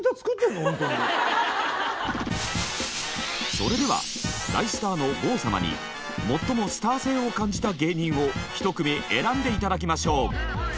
それでは大スターの郷様に最もスター性を感じた芸人をひと組選んで頂きましょう。